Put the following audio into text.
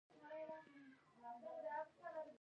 ما د دې مهم کتاب ټولې غلطۍ په نښه نه کړې.